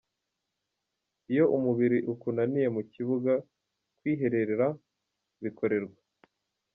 Iyo umubiri ukunaniye mu kibuga, kwihererera bikorerwa .